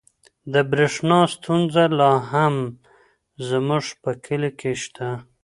د برښنا ستونزه لا هم زموږ په کلي کې شته.